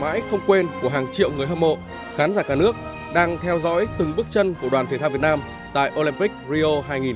một khoảnh khắc quên của hàng triệu người hâm mộ khán giả cả nước đang theo dõi từng bước chân của đoàn thể thao việt nam tại olympic rio hai nghìn một mươi sáu